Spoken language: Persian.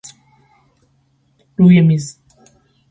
روی میز